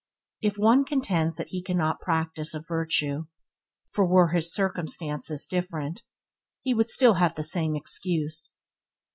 If one contends that he cannot practice a virtue it, for were his circumstances different, he would still have the same excuse.